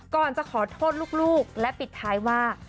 ก่อนจะขอโทษลูกและปิดท้ายว่า